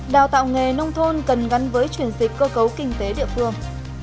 đào tạo nghề nông thôn cần gắn với chuyển dịch cơ cấu kinh tế địa phương